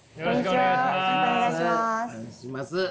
お願いします。